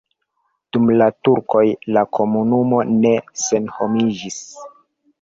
Dum la turkoj la komunumo ne senhomiĝis.